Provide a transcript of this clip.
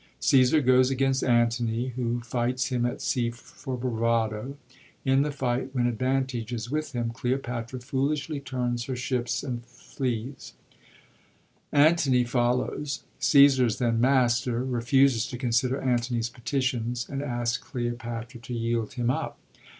Caesar goes against Antony, who fights him at sea for bravado. In the fight, when advantage is with him, Cleopatra foolishly turns her ships, and files ; Antony follows. Caesar is* then master, refuses to consider Antony's petitions, and asks Cleopatra to yield him up.